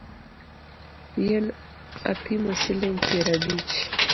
Yien apimo siling’ piero abich